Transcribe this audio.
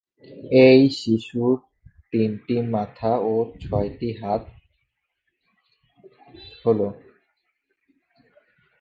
এই শিশুর তিনটি মাথা ও ছয়টি হাত হল।